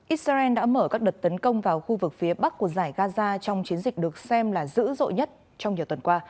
israel đã mở các đợt tấn công vào khu vực phía bắc của giải gaza trong chiến dịch được xem là dữ dội nhất trong nhiều tuần qua